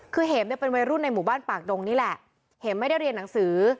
คือเห็มเนี่ยเป็นวัยรุ่นในหมู่บ้านปากดงนี่แหละเห็มไม่ได้เรียนหนังสือ